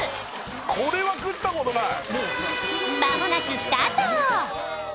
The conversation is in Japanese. これは食ったことない！